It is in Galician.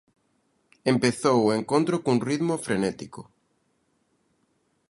Empezou o encontro cun ritmo frenético.